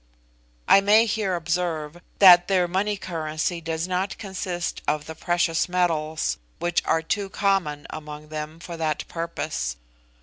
I may here observe, that their money currency does not consist of the precious metals, which are too common among them for that purpose.